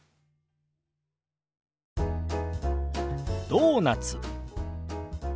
「ドーナツ」。